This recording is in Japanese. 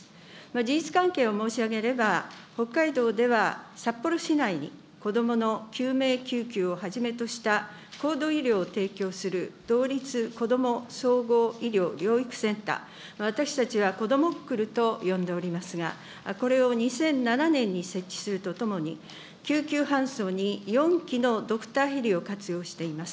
事実関係を申し上げれば、北海道では札幌市内に子どもの救命救急をはじめとした高度医療を提供する道立子ども総合医療療育センター、私たちはこどもっくると呼んでおりますが、これを２００７年に設置するとともに、救急搬送に４機のドクターヘリを活用しています。